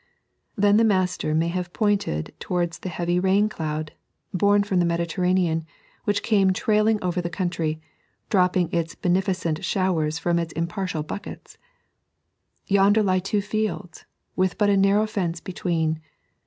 Then the MaKter may have pointed towards the heavy rain cloud, bom from the Mediterranean, which came trailing over the country, dropping its beneficent showers from its impartial buckets. Yonder lie two fields, with but a narrow fence between.